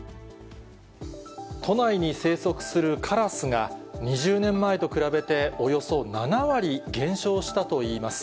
都内に生息するカラスが、２０年前と比べておよそ７割減少したといいます。